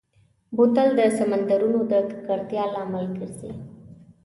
بوتل د سمندرونو د ککړتیا لامل ګرځي.